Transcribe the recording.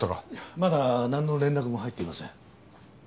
まだなんの連絡も入っていません。